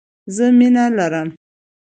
زه مینه لرم.